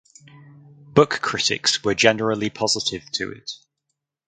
Book critics were generally positive to it.